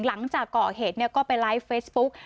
หลังจากก่อเหตุก็ไปไลฟ์เฟซบุ๊ก